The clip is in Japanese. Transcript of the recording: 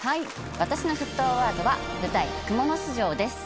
私の沸騰ワードは舞台『蜘蛛巣城』です。